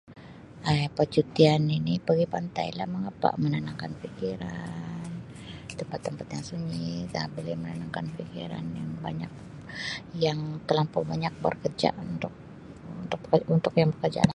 Hai percutian ini pigi pantai lah mengapa menenangkan fikiran ke tempat-tempat yang sunyi Um boleh menanangkan fikiran yang banyak yang telampau banyak bekerja untuk untuk yang bekerjalah.